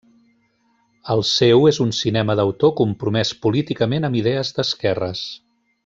El seu és un cinema d'autor compromès políticament amb idees d'esquerres.